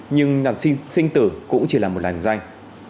nhưng nạn sinh tử cũng chỉ là một làn danh